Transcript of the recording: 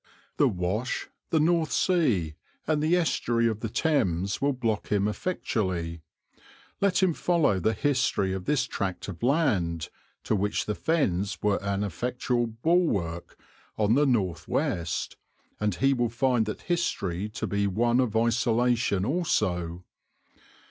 The Wash, the North Sea, and the Estuary of the Thames will block him effectually. Let him follow the history of this tract of land, to which the fens were an effectual bulwark on the north west, and he will find that history to be one of isolation also.